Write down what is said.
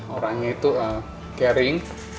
orangnya itu caring